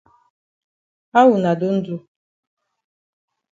How wuna don do?